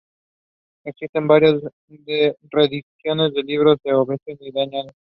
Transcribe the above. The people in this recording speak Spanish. Existen varias reediciones del libro de Oviedo y Baños.